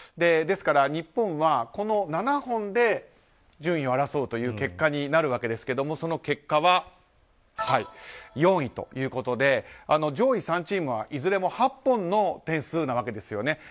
ですから日本は、この７本で順位を争う結果になるわけですけれどもその結果は４位ということで上位３チームはいずれも８本の点数なんですよね。